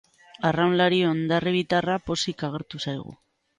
Arraunlari hondarribitarra pozik agertu zaigu.